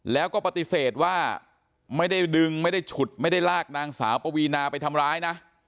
แล้วก็ปฏิเสธว่าไม่ได้ดึงไม่ได้ฉุดไม่ได้ลากนางสาวปวีนาไปทำร้ายนะ